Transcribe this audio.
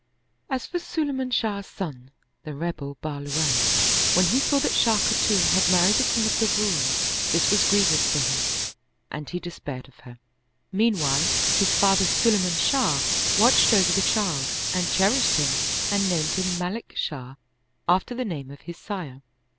As for Sulayman Shah's son, the rebel Bahluwafi, when he saw that Shah Khatun had mar ried the king of the Roum, this was grievous to him and he despaired of her. Meanwhile, his father Sulayman Shah watched over the child and cherished him and named him Malik Shah, after the name of his sire.